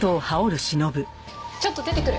ちょっと出てくる。